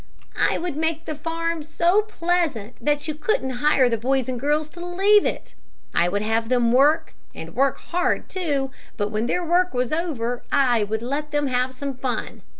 "I would make the farm so pleasant, that you couldn't hire the boys and girls to leave it. I would have them work, and work hard, too, but when their work was over, I would let them have some fun.